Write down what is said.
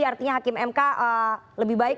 artinya hakim mk lebih baik